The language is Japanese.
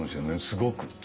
すごく。